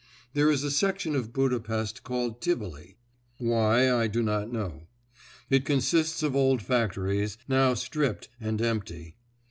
There is a section of Budapest called Tivoli—why I do not know. It consists of old factories, now stripped and empty.